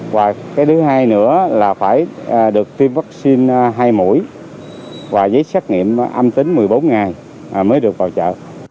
và cái thứ hai nữa là phải được tiêm vaccine hai mũi và giấy xét nghiệm âm tính một mươi bốn ngày mới được vào chợ